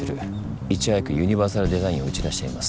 いち早くユニバーサルデザインを打ち出しています。